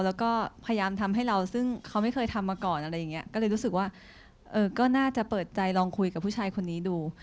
แล้วก็พยายามทำให้เราซึ่งเขาไม่เคยทำมาก่อนอะไรอย่างนี้ก็เลยรู้สึกว่าเออก็น่าจะเปิดใจลองคุยกับผู้ชายคนนี้ดู